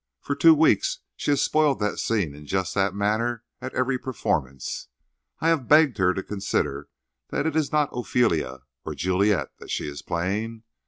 For two weeks she has spoiled that scene in just that manner at every performance. I have begged her to consider that it is not Ophelia or Juliet that she is playing.